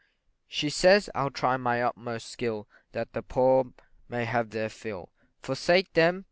She says, I'll try my utmost skill, That the poor may have their fill; Forsake them!